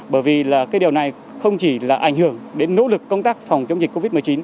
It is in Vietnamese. bởi vì điều này không chỉ ảnh hưởng đến nỗ lực công tác phòng chống dịch covid một mươi chín